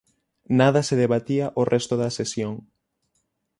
Nada se debatía o resto da sesión.